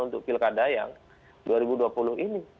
untuk pilkada yang dua ribu dua puluh ini